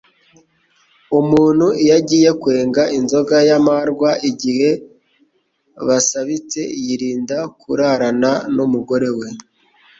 Umuntu iyo agiye kwenga inzoga y’amarwa, igihe basabitse yirinda kurarana n’umugore we